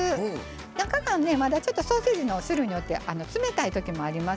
中がねまだちょっとソーセージの種類によって冷たい時もあります。